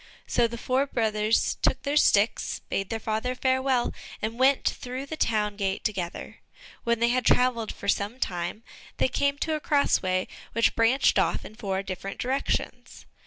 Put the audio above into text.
So the four brothers took their sticks, bade their father farewell, and went through the town gate together. When they had travelled about for some time, they came to a cross way which branched off in four different directions.